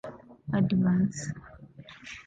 Advance.